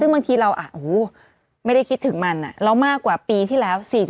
ไม่ได้คิดถึงและมากกว่าปีที่แล้ว